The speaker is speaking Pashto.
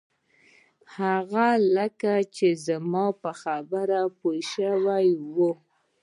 هغه لکه چې زما په خبره پوی شوی و.